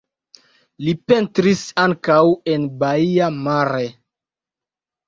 Li pentris ankaŭ en Baia Mare.